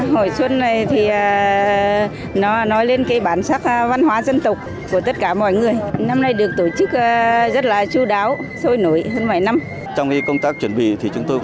hội xuân năm nay do ủy ban nhân dân huyện ba bể phối hợp với sở văn hóa thể thao và du lịch bắc cạn tổ chức